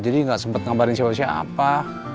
jadi gak sempet ngambarin siapa siapa